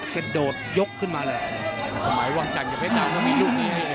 กระโดดยกขึ้นมาเลยสมัยวังจันทร์อย่าไปตามต้องมีลูกนี้